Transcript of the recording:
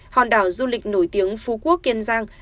hòn đảo du lịch nổi tiếng phú quốc kiên giang